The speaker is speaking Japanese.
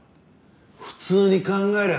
普通に考えりゃ